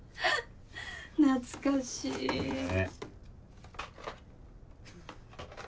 懐かしい。ね。